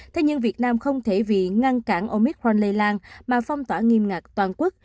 thế nhưng việt nam không thể vì ngăn cản omitral lây lan mà phong tỏa nghiêm ngặt toàn quốc